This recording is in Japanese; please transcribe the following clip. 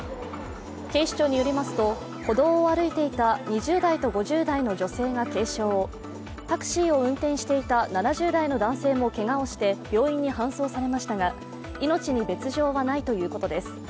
警視庁によりますと、歩道を歩いていた２０代と５０代の女性が軽傷、タクシーを運転していた７０代の男性もけがをして病院に搬送されましたが命に別状はないということです。